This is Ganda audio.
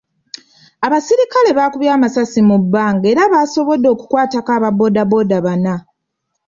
Abasirikale baakubye amasasi mu bbanga era baasobodde okukwatako aba boda boda bana.